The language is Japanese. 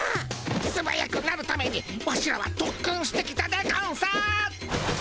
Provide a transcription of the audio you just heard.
すばやくなるためにワシらはとっくんしてきたでゴンス。